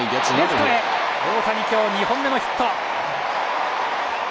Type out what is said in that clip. レフトへ、大谷、きょう２本目のヒット。